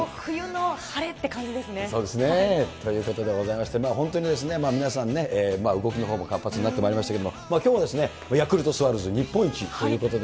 そうですね。ということでございまして、本当に皆さんね、動きのほうも活発になってきましたけれども、きょうは、ヤクルトスワローズ、日本一ということで。